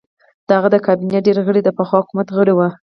د هغه د کابینې ډېر غړي د پخوا حکومت غړي وو.